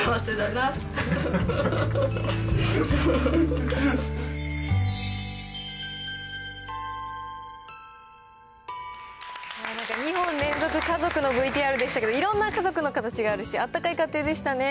なんか２本連続家族のＶＴＲでしたけど、いろんな家族の形があるし、あったかい家庭でしたね。